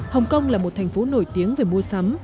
hồng kông là một thành phố nổi tiếng về mua sắm